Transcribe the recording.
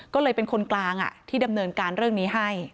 ก็เลยเป็นคนกลางที่ดำเนินการเรื่องนี้ให้